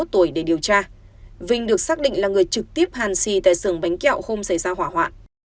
ba mươi một tuổi để điều tra vinh được xác định là người trực tiếp hàn xì tại xường bánh kẹo không xảy ra hỏa hoạn